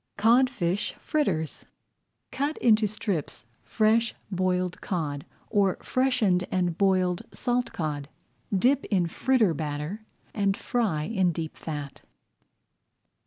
CODFISH FRITTERS Cut into strips fresh boiled cod, or freshened and boiled salt cod. Dip in fritter batter and fry in deep fat.